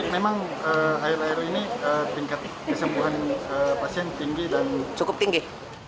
memang akhir akhir ini tingkat kesembuhan pasien tinggi dan cukup tinggi